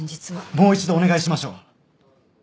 もう一度お願いしましょう！